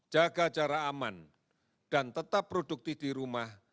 jaga jarak aman dan tetap produktif di rumah